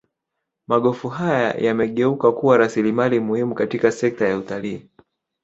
magofu haya yamegeuka kuwa rasilimali muhimu katika sekta ya utalii